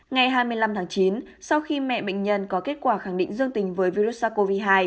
ngày hai mươi năm tháng chín sau khi mẹ bệnh nhân có kết quả khẳng định dương tình với virus sars cov hai